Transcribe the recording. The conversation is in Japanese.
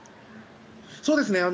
そうですね。